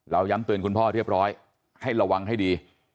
ย้ำเตือนคุณพ่อเรียบร้อยให้ระวังให้ดี